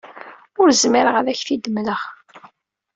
Ur zmireɣ ad ak-t-id-mleɣ.